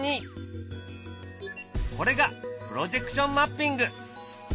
これがプロジェクションマッピング。